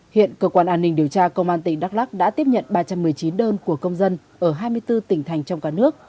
hiện cơ quan an ninh điều tra công an tỉnh đắk lắc đã tiếp nhận ba trăm một mươi chín đơn của công dân ở hai mươi bốn tỉnh thành trong cả nước